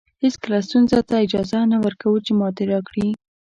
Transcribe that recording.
هېڅکله ستونزو ته اجازه نه ورکوو چې ماتې راکړي.